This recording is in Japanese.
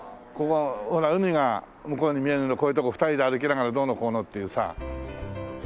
ほら海が向こうに見えるのこういうとこ２人で歩きながらどうのこうのっていうさ。